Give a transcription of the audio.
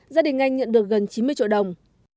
gia đình anh nhận được gần chín mươi triệu đồng